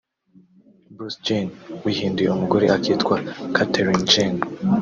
Bruce Jenner wihinduye umugore akitwa Caitlyn Jenner